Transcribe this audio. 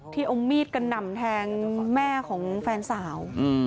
ที่องค์มีดกันดำแทงแม่ของแฟนสาว